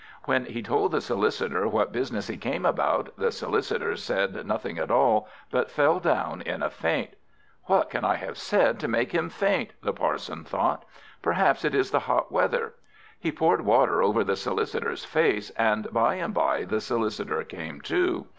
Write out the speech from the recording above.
When he told the Solicitor what business he came about, the Solicitor said nothing at all, but fell down in a faint. "What can I have said to make him faint?" the Parson thought. "Perhaps it is the hot weather." He poured water over the Solicitor's face, and by and by the Solicitor came to.